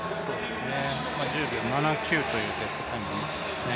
１０秒７９というベストタイムを持っていますね。